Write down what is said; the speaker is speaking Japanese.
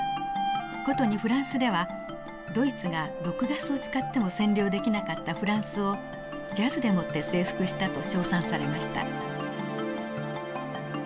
ことにフランスでは「ドイツが毒ガスを使っても占領できなかったフランスをジャズでもって征服した」と称賛されました。